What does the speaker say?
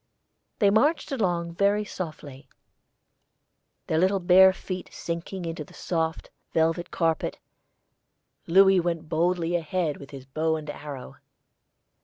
They marched along very softly, their little bare feet sinking into the soft velvet carpet. Louis went boldly ahead with his bow and arrow.